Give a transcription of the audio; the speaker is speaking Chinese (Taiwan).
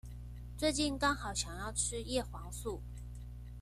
最近剛好想要吃葉黃素